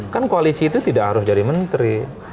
kan koalisi itu tidak harus jadi menteri